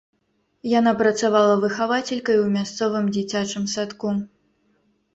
Яна працавала выхавацелькай у мясцовым дзіцячым садку.